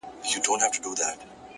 صبر د اوږد انتظار ښکلا ده،